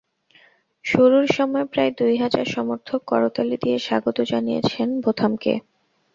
শুরুর সময় প্রায় দুই হাজার সমর্থক করতালি দিয়ে স্বাগত জানিয়েছেন বোথামকে।